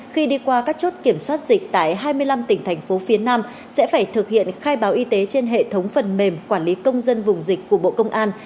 khi đi qua các chốt kiểm soát dịch tại hai mươi năm tỉnh thành phố phía nam sẽ phải thực hiện khai báo y tế trên hệ thống phần mềm quản lý công dân vùng dịch của bộ công an